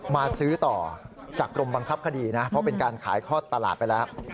มาซื้อต่อจากกรมบังคับคดีนะเพราะเป็นการขายคลอดตลาดไปแล้ว